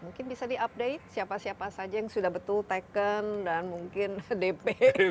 mungkin bisa di update siapa siapa saja yang sudah betul teken dan mungkin dp